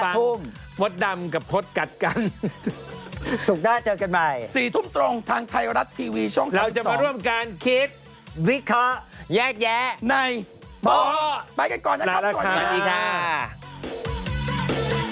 อาทิตย์ละ๑วันก็ตั้งเต็มที่กันไหนเนอะ